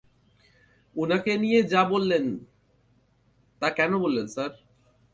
উনাকে নিয়া যা-তা বললেন কেন স্যার?